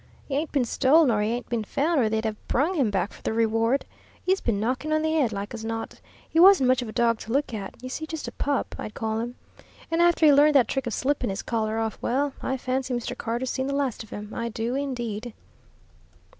'E ain't been stole, nor 'e ain't been found, or they'd 'ave brung him back for the reward. 'E's been knocked on the 'ead, like as not. 'E wasn't much of a dog to look at, you see just a pup, I'd call 'im. An' after 'e learned that trick of slippin' 'is collar off well, I fancy Mr. Carter's seen the last of 'im. I do, indeed."